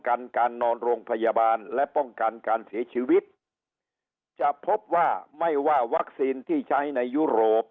กันการนอนโรงพยาบาลและป้องกันการเสียชีวิตจะพบว่าไม่ว่าวัคซีนที่ใช้ในยุโรป